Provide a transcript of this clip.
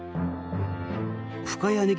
深谷ねぎ